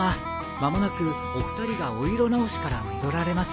間もなくお二人がお色直しから戻られます